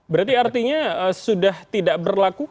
berarti artinya sudah tidak berlaku